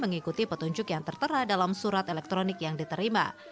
mengikuti petunjuk yang tertera dalam surat elektronik yang diterima